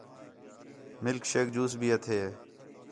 مِلک شیک جوس بھی ہَتھے